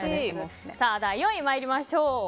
第４位参りましょう。